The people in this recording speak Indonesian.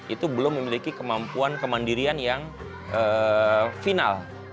itu belum memiliki kemampuan kemandirian yang final